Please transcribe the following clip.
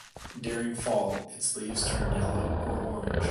During fall, its leaves turn yellow or orange.